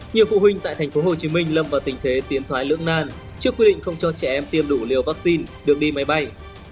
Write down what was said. nhiều phụ huynh tại thành phố hồ chí minh lâm vào tình thế tiến thoái lưỡng nan trước quy định không cho trẻ em tiêm đủ liều vaccine được đi máy bay